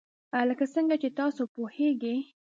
لکه څنګه چې تاسو پوهیږئ.